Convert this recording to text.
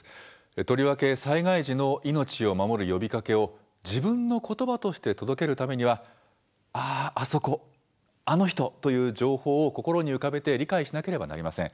とりわけ災害時の命を守る呼びかけを自分のことばとして届けるためにはあそこ、あの人という情報を心に浮かべて理解しなければなりません。